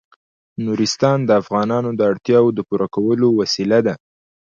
نورستان د افغانانو د اړتیاوو د پوره کولو وسیله ده.